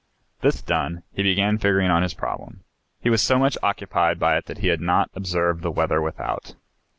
This done, he began figuring on his problem. He was so much occupied by it that he had not observed the weather without.